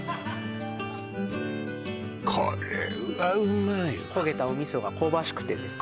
これはうまいわ焦げたお味噌が香ばしくてですね